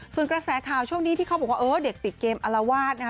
ส่วนกระแสข่าวช่วงนี้ที่เขาบอกว่าเออเด็กติดเกมอลวาดนะคะ